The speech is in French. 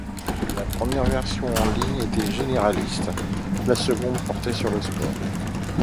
La première version en ligne était généraliste, la seconde portait sur le sport.